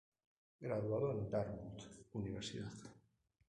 Graduado en Dartmouth Universidad.